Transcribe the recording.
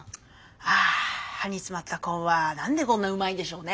あ歯に詰まったコーンは何でこんなうまいんでしょうね。